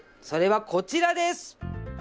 それはこちらです！